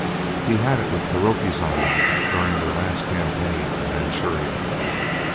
He had it with Kuroki's army during this last campaign in Manchuria.